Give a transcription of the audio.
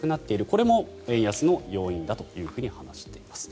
これも円安の要因だと話しています。